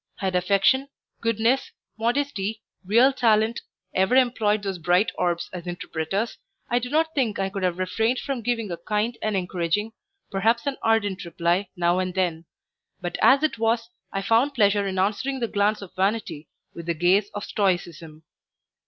Had affection, goodness, modesty, real talent, ever employed those bright orbs as interpreters, I do not think I could have refrained from giving a kind and encouraging, perhaps an ardent reply now and then; but as it was, I found pleasure in answering the glance of vanity with the gaze of stoicism.